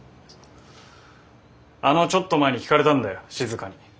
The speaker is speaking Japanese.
あのちょっと前に聞かれたんだよ静に。